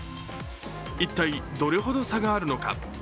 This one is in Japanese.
一体どれほど差があるのか。